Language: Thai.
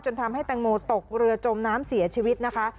ทำให้แตงโมตกเรือจมน้ำเสียชีวิตนะคะ